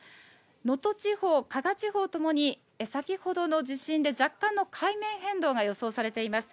能登地方、加賀地方ともに先ほどの地震で若干の海面変動が予想されています。